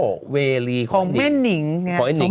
ซอเเวรี่ของใอนนิงค่ะของม่ายนิง